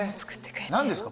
何ですか？